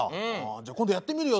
じゃあ今度やってみるよ。